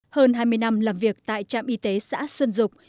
hơn hai mươi năm làm việc tại trạm y tế xã xuân dục